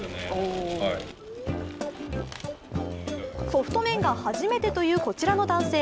ソフト麺が初めてというこちらの男性。